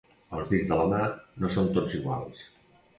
Els dits de la mà no són tots iguals.